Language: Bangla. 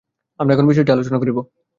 আমরা এখন বিষয়টি আলোচনা করিব।